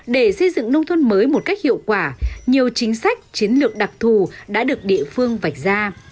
để xây dựng nông thôn mới một cách hiệu quả nhiều chính sách chiến lược đặc thù đã được địa phương vạch ra